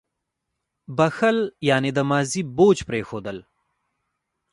• بښل یعنې د ماضي بوج پرېښودل.